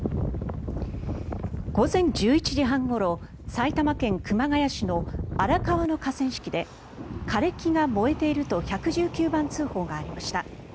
午前１１時半ごろ埼玉県熊谷市の荒川の河川敷で枯れ木が燃えていると１１９番通報がありました。